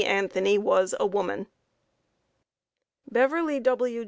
Anthony was a woman. BEVERLY W.